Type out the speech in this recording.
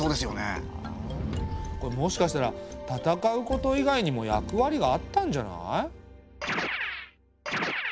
これもしかしたら戦うこと以外にも役割があったんじゃない？